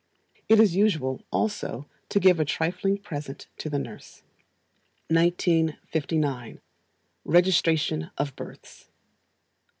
It is usual, also, to give a trifling present to the nurse. 1959. Registration of Births.